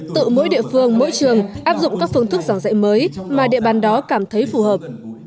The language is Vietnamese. tự mỗi địa phương mỗi trường áp dụng các phương thức giảng dạy mới mà địa bàn đó cảm thấy phù hợp